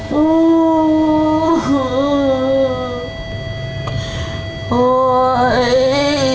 น้อย